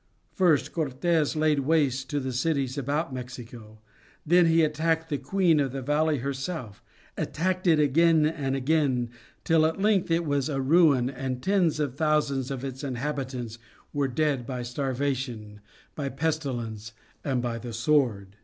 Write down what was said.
First Cortes laid waste the cities about Mexico, then he attacked the Queen of the Valley herself attacked it again and again till at length it was a ruin and tens of thousands of its inhabitants were dead by starvation, by pestilence, and by the sword.